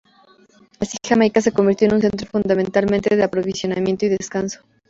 Así, Jamaica se convirtió en un centro fundamentalmente de aprovisionamiento y descanso.